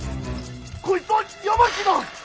・こいつは八巻だ！